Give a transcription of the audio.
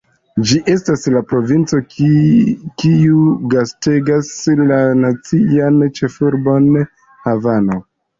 Ĝi estas la provinco kiu gastigas la nacian ĉefurbon, Havano.